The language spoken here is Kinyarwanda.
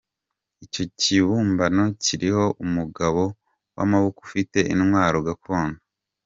Icyo kibumbano kiriho umugabo w’amaboko ufite intwaro gakondo.